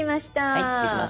はいできました。